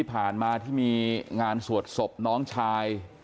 ที่ผ่านมาที่มีงานสวดศพน้องชาย